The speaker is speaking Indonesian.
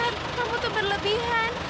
kamu tuh berlebihan